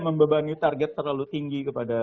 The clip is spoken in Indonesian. membebani target terlalu tinggi kepada